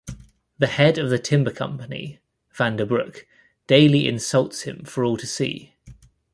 The head of the timber company, Vanderbrouck, daily insults him for all to see.